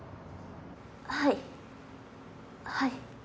はいはい。